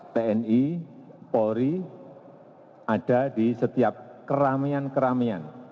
pni polri ada di setiap keramian keramian